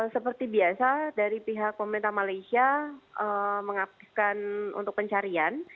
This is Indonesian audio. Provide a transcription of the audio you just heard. seperti biasa dari pihak pemerintah malaysia mengaktifkan untuk pencarian